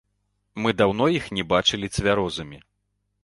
Мы даўно іх не бачылі цвярозымі.